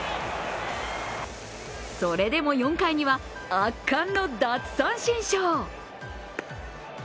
それでも４回には圧巻の奪三振ショー。